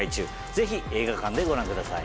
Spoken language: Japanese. ぜひ映画館でご覧ください。